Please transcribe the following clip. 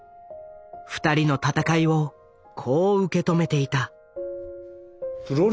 ２人の戦いをこう受け止めていた。